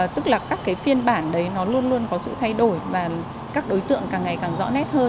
tức là các cái phiên bản đấy nó luôn luôn có sự thay đổi và các đối tượng càng ngày càng rõ nét hơn